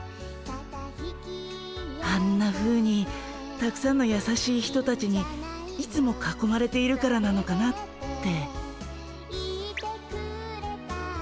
あんなふうにたくさんのやさしい人たちにいつもかこまれているからなのかなって。